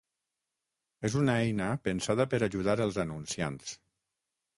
És una eina pensada per ajudar els anunciants.